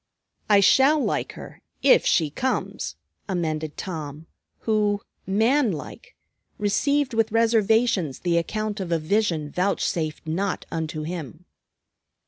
"I shall like her, if she comes," amended Tom, who, man like, received with reservations the account of a vision vouchsafed not unto him.